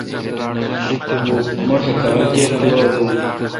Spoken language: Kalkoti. مٹھ کھال کیر گوا دو۔